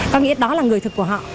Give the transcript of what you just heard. có nghĩa đó là người thật của họ